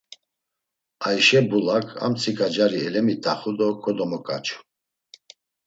Ayşe Bulak amtsiǩa cari elemit̆axu do kodomoǩaçu.